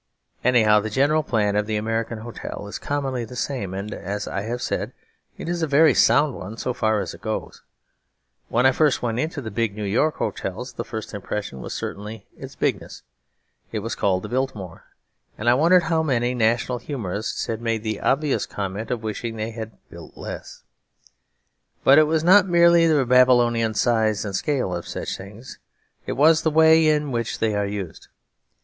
Anyhow the general plan of the American hotel is commonly the same, and, as I have said, it is a very sound one so far as it goes. When I first went into one of the big New York hotels, the first impression was certainly its bigness. It was called the Biltmore; and I wondered how many national humorists had made the obvious comment of wishing they had built less. But it was not merely the Babylonian size and scale of such things, it was the way in which they are used.